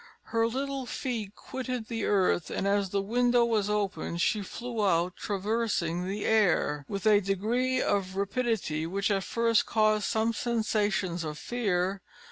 Her little feet quitted the earth, and as the window was open, she flew out, traversing the air, with a degree of rapidity which at first caused some sensations of fear.